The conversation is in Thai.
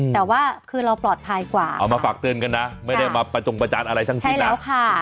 แต่ว่าคือเราปลอดภัยกว่าเอามาฝากเตือนกันนะไม่ได้มาประจงประจานอะไรทั้งสิ้นแล้ว